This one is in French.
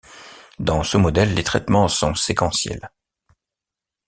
Dans ce modèle, les traitements sont séquentiels.